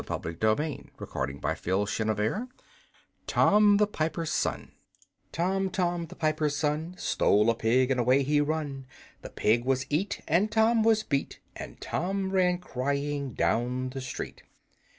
[Illustration: Tom, the Piper's Son] Tom, the Piper's Son Tom, Tom, the piper's son, Stole a pig and away he run; The pig was eat and Tom was beat And Tom ran crying down the street.